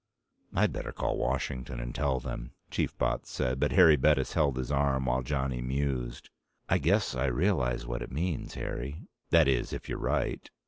"I'd better call Washington and tell them," Chief Botts said, but Harry Bettis held his arm while Johnny mused: "I guess I realize what it means, Harry. That is, if you're right.